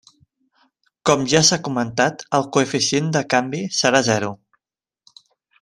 Com ja s'ha comentat, el coeficient de canvi serà zero.